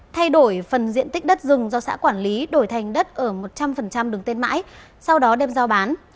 thay đổi phần diện tích đất rừng do xã quản lý đổi thành đất ở một trăm linh đường tên mãi sau đó đem giao bán